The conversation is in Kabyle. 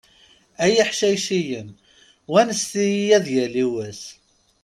Ay iḥcayciyen, wanset-iyi ad yali wass.